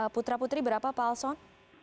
putra putri berapa pak alson